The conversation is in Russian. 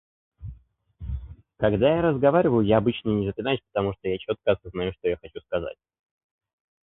Когда я разговариваю, я обычно не запинаюсь, потому что я чётко осознаю, что я хочу сказать.